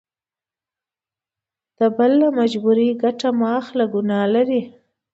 د بل له مجبوري ګټه مه اخله ګنا لري.